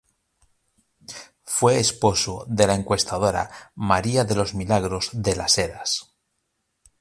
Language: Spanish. Fue esposo de la encuestadora María de los Milagros de las Heras.